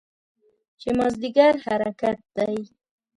چې مازدیګر حرکت دی.